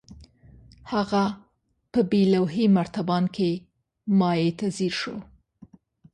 هغه په بې لوحې مرتبان کې مايع ته ځير شو.